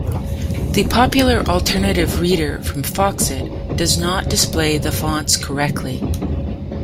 The popular alternative reader from Foxit does not display the fonts correctly.